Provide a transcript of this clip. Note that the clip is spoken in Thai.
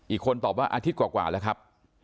อีกคนตอบว่าอาทิตย์กว่าแล้วครับ